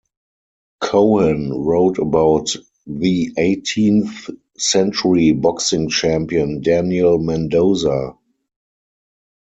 Cohen wrote about the eighteenth century boxing champion Daniel Mendoza.